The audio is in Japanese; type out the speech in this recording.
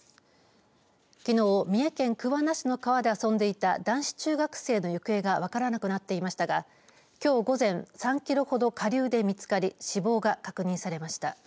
きのう、三重県桑名市の川で遊んでいた男子中学生の行方が分からなくなっていましたがきょう午前３キロほど下流で見つかり死亡が確認されました。